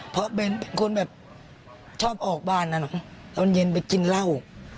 เพราะเบนเป็นคนแบบชอบออกบ้านนะเหรอตอนเย็นไปกินเหล้า